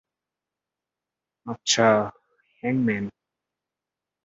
আচ্ছা, হ্যাংম্যান।